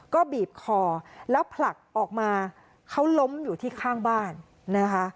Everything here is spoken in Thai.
ก็บีบคอแล้วผลักออกมาเขาล้มอยู่ที่ข้างบ้านนะคะ